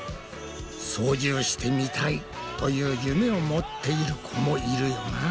「操縦してみたい」という夢を持っている子もいるよな。